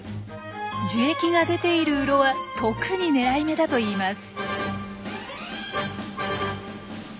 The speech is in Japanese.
樹液が出ている洞は特に狙い目だといいます。